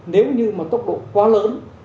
nếu như mà tốc độ quá lớn